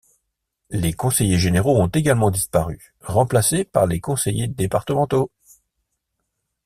Les conseillers généraux ont également disparu, remplacé par les conseillers départementaux.